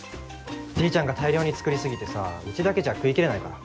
じいちゃんが大量に作り過ぎてさうちだけじゃ食いきれないから。